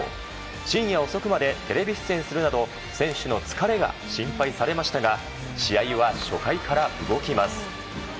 深夜遅くまでテレビ出演するなど選手の疲れが心配されましたが試合は初回から動きます。